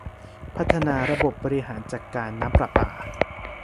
พัฒนาระบบบริหารจัดการน้ำประปา